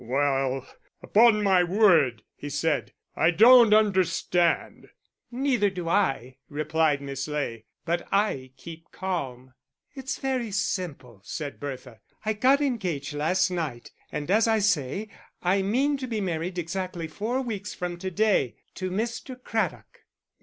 "Well, upon my word," he said, "I don't understand." "Neither do I," replied Miss Ley, "but I keep calm." "It's very simple," said Bertha. "I got engaged last night, and as I say, I mean to be married exactly four weeks from to day to Mr. Craddock."